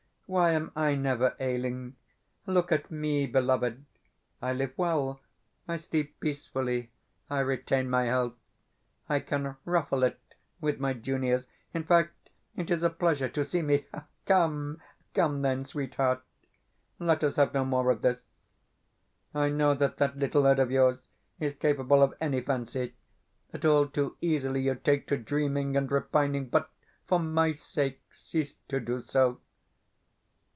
Why am I never ailing? Look at ME, beloved. I live well, I sleep peacefully, I retain my health, I can ruffle it with my juniors. In fact, it is a pleasure to see me. Come, come, then, sweetheart! Let us have no more of this. I know that that little head of yours is capable of any fancy that all too easily you take to dreaming and repining; but for my sake, cease to do so.